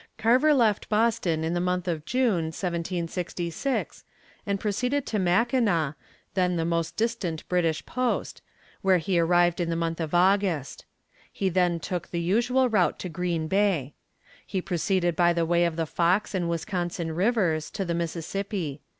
Carver left Boston in the month of June, 1766, and proceeded to Mackinaw, then the most distant British post, where he arrived in the month of August. He then took the usual route to Green Bay. He proceeded by the way of the Fox and Wisconsin rivers to the Mississippi.